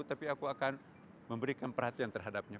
tapi aku akan memberikan perhatian terhadapnya